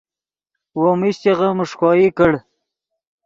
وو میشچغے میݰکوئی کڑ